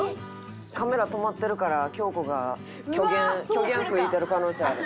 カメラ止まってるから京子が虚言虚言吹いてる可能性ある。